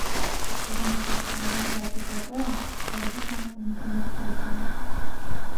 Яго мастацтва вызначаецца тэатральнасцю, псіхалагізмам, унутранай экспрэсіяй.